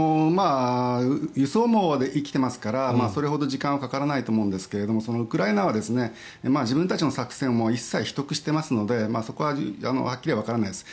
輸送網は生きていますからそれほど時間はかからないと思いますがウクライナは自分たちの作戦を一切、秘匿していますのでそこははっきりはわからないです。